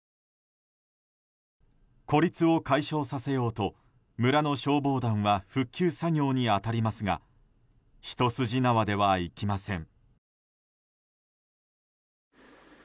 孤立を解消させようと村の消防団は復旧作業に当たりますが一筋縄ではいきません。